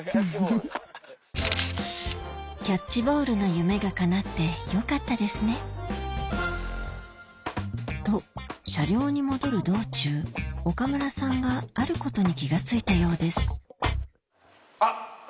フフフフキャッチボールの夢がかなってよかったですねと車両に戻る道中岡村さんがあることに気が付いたようですあっ！